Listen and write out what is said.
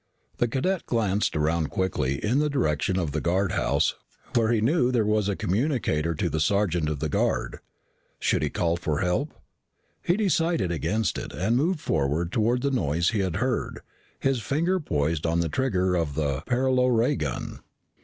The cadet glanced around quickly in the direction of the guardhouse where he knew there was a communicator to the sergeant of the guard. Should he call for help? He decided against it and moved forward toward the noise he had heard, his finger poised on the trigger of the paralo ray gun.